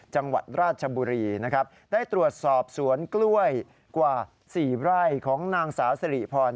จังหวัดราชบุรีนะครับได้ตรวจสอบสวนกล้วยกว่า๔ไร่ของนางสาวสิริพร